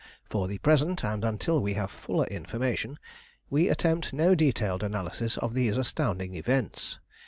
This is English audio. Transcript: For the present, and until we have fuller information, we attempt no detailed analysis of these astounding events.